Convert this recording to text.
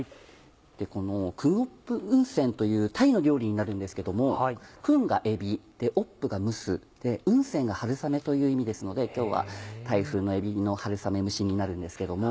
この「クンオップウンセン」というタイの料理になるんですけどもクンがえびオップが蒸すウンセンが春雨という意味ですので今日はタイ風のえびの春雨蒸しになるんですけども。